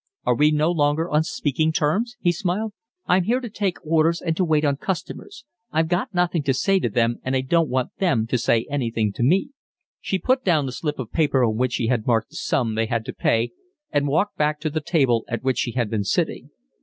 "Are we no longer on speaking terms?" he smiled. "I'm here to take orders and to wait on customers. I've got nothing to say to them, and I don't want them to say anything to me." She put down the slip of paper on which she had marked the sum they had to pay, and walked back to the table at which she had been sitting.